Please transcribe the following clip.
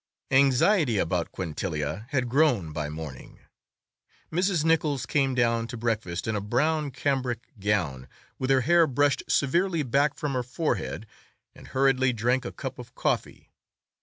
Anxiety about Quintilia had grown by morning. Mrs. Nichols came down to breakfast in a brown cambric gown, with her hair brushed severely back from her forehead, and hurriedly drank a cup of coffee.